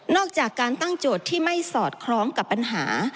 จากการตั้งโจทย์ที่ไม่สอดคล้องกับปัญหา